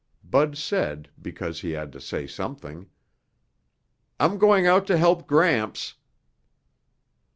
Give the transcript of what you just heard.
Bud said because he had to say something, "I'm going out to help Gramps."